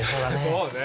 そうね。